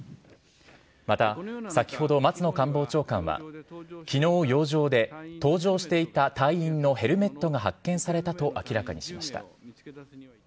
また先ほど、松野官房長官は、きのう、洋上で搭乗していた隊員のヘルメットが発見されたと明らかにしました。